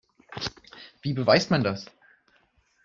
Wie beweist man das?